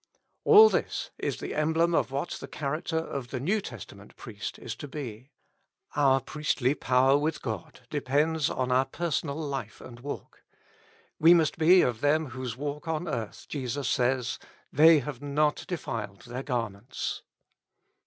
All this is the emblem of what the character of the New Testament priest is to be. Our priestly power with God depends on our personal life and walk. We must be of them of w^hose walk on earth Jesus says, "They have not defiled their garments."